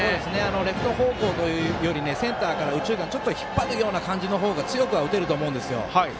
レフト方向というよりセンターから右中間に引っ張るような感じの方が強くは打てると思うんですよ。